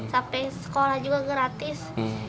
sampai sekolah juga gratis